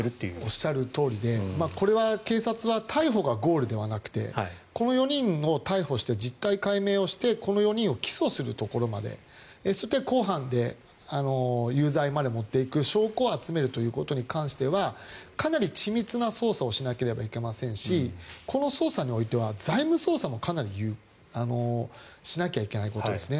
おっしゃるとおりでこれは警察は逮捕がゴールではなくてこの４人を逮捕して実態解明して起訴するところまでそして公判で有罪まで持っていく証拠を集めるということに関してはかなり緻密な捜査をしなければいけませんしこの捜査においては財務捜査もかなりしなきゃいけないことですね。